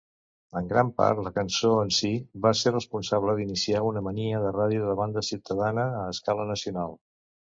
En gran part, la cançó en si va ser responsable d'iniciar una mania de ràdio de banda ciutadana a escala nacional.